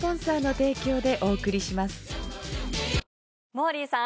モーリーさん